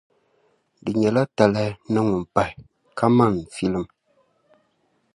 Di nyɛla talahi ni ŋun’ pahi, ka man’ filim.